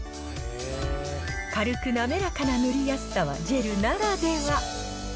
軽く滑らかな塗りやすさは、ジェルならでは。